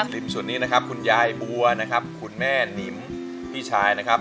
ริมส่วนนี้นะครับคุณยายบัวนะครับคุณแม่นิมพี่ชายนะครับ